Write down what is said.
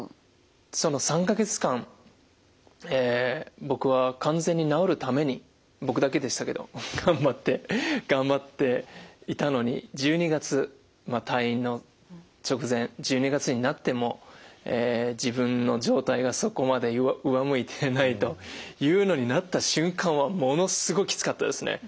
その３か月間僕は完全に治るために僕だけでしたけど頑張って頑張っていたのに１２月退院の直前１２月になっても自分の状態がそこまで上向いてないというのになった瞬間はものすごくきつかったですね。